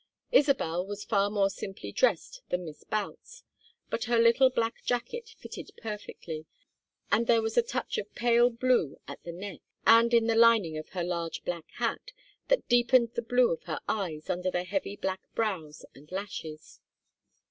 Isabel was far more simply dressed than Miss Boutts, but her little black jacket fitted perfectly, and there was a touch of pale blue at the neck, and in the lining of her large black hat, that deepened the blue of her eyes under their heavy black brows and lashes.